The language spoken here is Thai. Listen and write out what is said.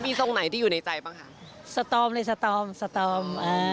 มีทรงไหนที่อยู่ในใจบ้างค่ะสตอร์มเลยสตอร์มสตอร์ม